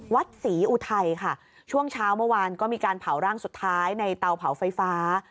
วัดศรีอุทัยค่ะช่วงเช้าเมื่อวานก็มีการเผาร่างสุดท้ายในเตาเผาไฟฟ้า